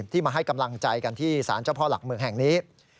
มาให้กำลังใจกันที่สารเจ้าพ่อหลักเมืองแห่งนี้